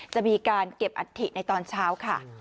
จะมีการเก็บอัฐิในตอนเช้าค่ะ